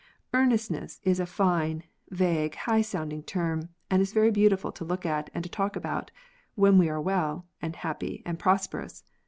" Earnestness " is a fine, vague, high sounding term, and is very beautiful to look at and talk about, when we are well, and happy, and prosperous.